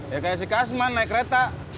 ya kayak si kasman naik kereta